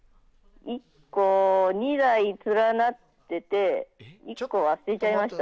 ２台連なってて１個、捨てちゃいました。